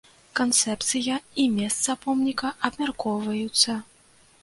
Канцэпцыя і месца помніка абмяркоўваюцца.